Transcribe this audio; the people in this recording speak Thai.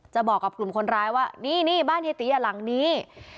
บอกกับกลุ่มคนร้ายว่านี่นี่บ้านเฮียตีหลังนี้